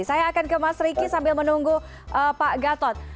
saya akan ke mas riki sambil menunggu pak gatot